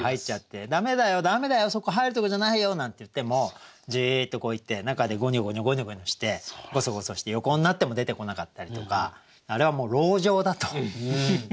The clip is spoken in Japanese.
「駄目だよ駄目だよそこ入るとこじゃないよ」なんて言ってもじっとこういって中でごにょごにょごにょごにょしてごそごそして横になっても出てこなかったりとかあれはもう籠城だと。